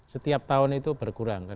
setiap tahun itu berkurang